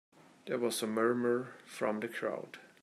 There was a murmur from the crowd.